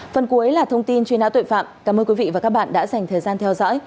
phần cuối là thông tin truy nã tội phạm cảm ơn quý vị và các bạn đã dành thời gian theo dõi